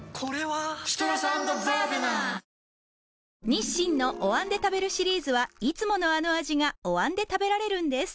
日清のお椀で食べるシリーズはいつものあの味がお椀で食べられるんです